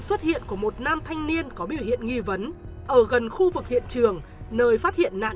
xuất hiện của một nam thanh niên có biểu hiện nghi vấn ở gần khu vực hiện trường nơi phát hiện nạn